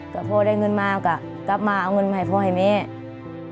แต่พอได้เงินมาก็กลับมาเอาเงินมาให้พ่อให้แม่